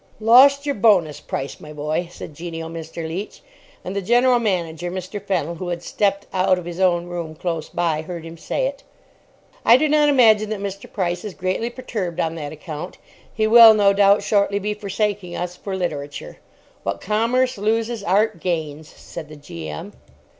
"Lost your bonus, Price, my boy," said genial Mr. Leach. And the General Manager, Mr. Fennell, who had stepped out of his own room close by, heard him say it. "I do not imagine that Mr. Price is greatly perturbed on that account. He will, no doubt, shortly be forsaking us for literature. What Commerce loses, Art gains," said the G.M.